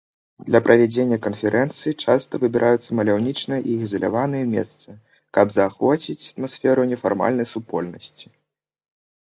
Для правядзення канферэнцый часта выбіраюцца маляўнічыя і ізаляваныя месцы, каб заахвоціць атмасферу нефармальнай супольнасці.